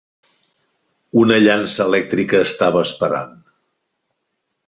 Una llança elèctrica estava esperant.